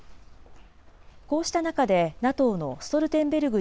こうした中で、ＮＡＴＯのストルテンベルグ